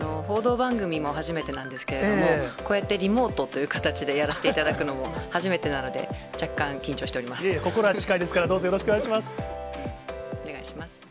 報道番組も初めてなんですけれども、こうやってリモートという形でやらせていただくのも初めてなので、若干緊張しております。